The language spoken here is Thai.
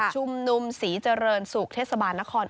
นุมศรีเจริญสุขเทศบาลนคร